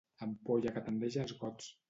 Ampolla que tendeix als gots.